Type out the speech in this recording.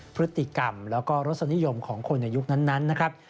พฤติกรรมแล้วก็รสนิยมของคนในยุคนั้นนะครับ